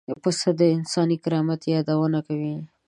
پسه د انساني کرامت یادونه کوي.